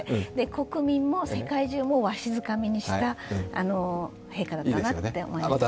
国民も世界中もわしづかみにした陛下だったなと思います。